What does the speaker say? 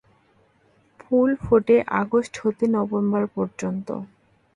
ফুল ফোটে আগস্ট হতে নভেম্বর পর্যন্ত।